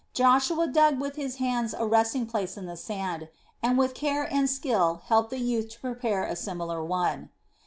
Joshua dug with his hands a resting place in the sand, and with care and skill helped the youth to prepare a similar one.